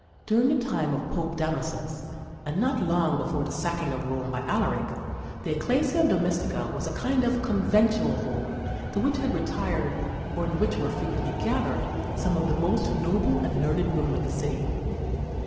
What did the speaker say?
During the time of Pope Damasus, and not long before the sacking of Rome by Alaric, the Ecclesia Domestica was a kind of conventual home to which had retired, or in which were frequently gathered, some of the most noble and learned women of the city.